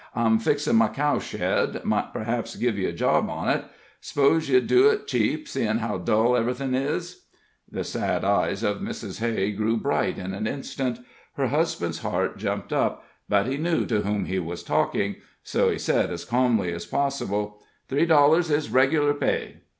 "I'm fixin' my cow shed might p'raps give ye a job on't. 'Spose ye'd do it cheap, seein' how dull ev'ry thin' is?" The sad eyes of Mrs. Hay grew bright in an instant. Her husband's heart jumped up, but he knew to whom he was talking, so he said, as calmly as possible: "Three dollars is reg'lar pay."